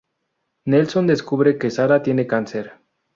Nelson descubre que Sara tiene cáncer.